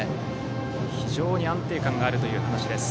非常に安定感があるという話です。